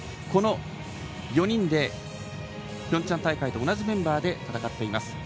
この４人でピョンチャン大会と同じメンバーで戦っています。